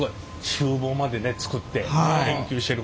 ちゅう房までね作って研究してる。